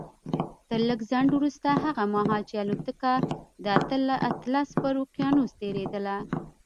تر لږ ځنډ وروسته هغه مهال چې الوتکه د اطلس پر اقيانوس تېرېدله.